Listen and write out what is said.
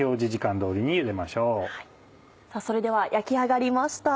それでは焼き上がりました。